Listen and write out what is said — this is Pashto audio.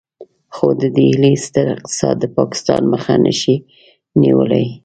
خو د ډهلي ستر اقتصاد د پاکستان مخه نشي نيولای.